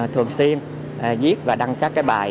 thường xuyên viết và đăng các bài